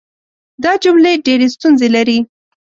دا جملې ډېرې ستونزې لري.